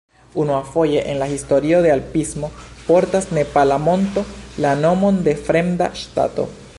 Unuafoje en la historio de alpismo portas nepala monto la nomon de fremda ŝtato.